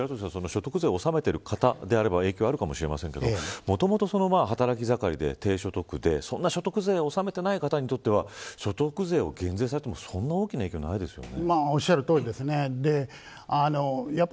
所得税を納めている方であれば影響はあるかもしれませんがもともと働き盛りで低所得で所得税を納めていない方にとっては所得税を減税されても、そんなに大きな影響はないでしょうね。